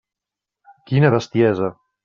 Quina bestiesa!